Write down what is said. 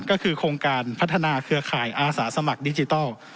ก็คือโครงการพัฒนาเครือข่ายอาสาสมัครดิจิทัล